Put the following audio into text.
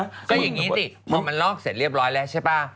ก็อย่างนี้นสิเหรอเพราะว่ามันลอกเสร็จเรียบร้อยแล้วใช่เปล่า